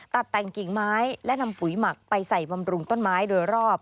ตัดแต่งกิ่งไม้และนำปุ๋ยหมักไปใส่บำรุงต้นไม้โดยรอบ